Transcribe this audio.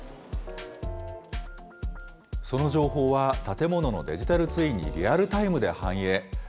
その情報は建物のデジタルツインにリアルタイムで反映。